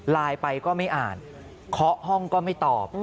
ไลน์ไปก็ไม่อ่านเคาะห้องก็ไม่ตอบ